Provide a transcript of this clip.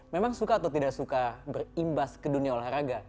memang suka atau tidak suka berimbas ke dunia olahraga